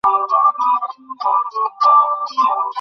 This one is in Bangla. এমন কথা কেন বলছ?